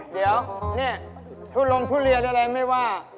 เดี๋ยวเนี่ยทุลงทุเรียนอะไรไม่ว่า